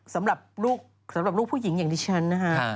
สำหรับลูกผู้หญิงอย่างดิฉันนะคะ